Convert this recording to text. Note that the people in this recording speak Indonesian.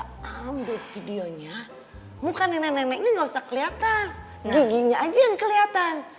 pake videonya muka nenek neneknya gausah keliatan giginya aja yang keliatan